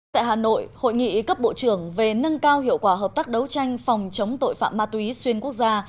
tại hà nội hội nghị cấp bộ trưởng về nâng cao hiệu quả hợp tác đấu tranh phòng chống tội phạm ma túy xuyên quốc gia